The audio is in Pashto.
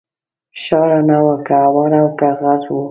شاړه نه وه که هواره او که غر و